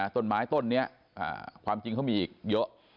ต้นไม้ต้นนี้ความจริงเขามีอีกเยอะ